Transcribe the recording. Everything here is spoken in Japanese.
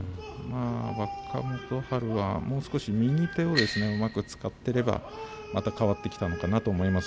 若元春はもう少し右手をうまく使っていれば、また変わってきたのかなと思います。